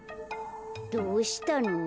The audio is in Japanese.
どうしたの？